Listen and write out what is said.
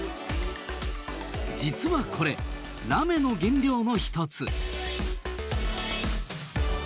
実はこれラメの原料の一つ。